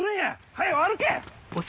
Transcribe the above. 早よ歩け！